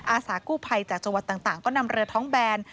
อาสากู้ภัยจากจังหวัดต่างก็นำเรือท้องแบน